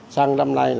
sang năm nay